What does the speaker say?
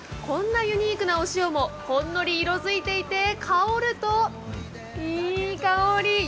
こんなユニークなお塩もほんのり色づいていて、香ると、いい香り。